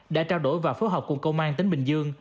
đã trao đổi và phối hợp cùng công an tỉnh bình dương